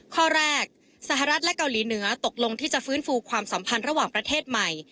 ข้อแรกสหรัฐและเกาหลีเหนือตกลงที่จะฟื้นฟูความสัมพันธ์ระหว่างประเทศใหม่